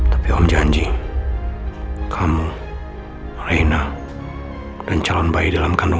sama sama selamat malam